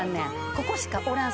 ここしかおらん